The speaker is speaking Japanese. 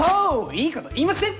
いいこと言いますね！